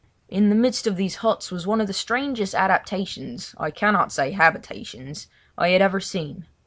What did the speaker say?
In the midst of these huts was one of the strangest adaptations—I cannot say habitations—I had ever seen.